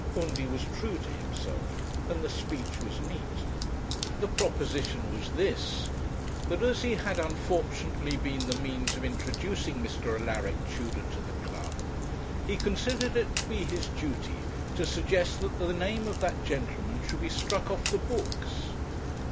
Undy was true to himself, and the speech was neat. The proposition was this: that as he had unfortunately been the means of introducing Mr. Alaric Tudor to the club, he considered it to be his duty to suggest that the name of that gentleman should be struck off the books.